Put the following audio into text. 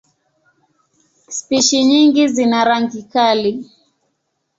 Spishi nyingi zina rangi kali.